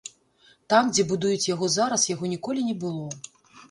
Там, дзе будуюць яго зараз, яго ніколі не было.